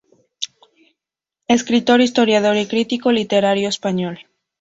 Escritor, historiador y crítico literario español.